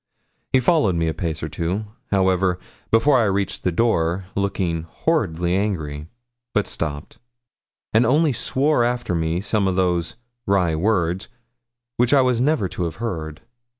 He followed me a pace or two, however, before I reached the door, looking horridly angry, but stopped, and only swore after me some of those 'wry words' which I was never to have heard.